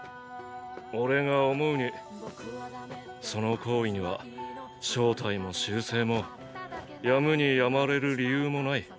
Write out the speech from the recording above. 俺が思うにその好意には正体も習性もやむにやまれぬ理由もない。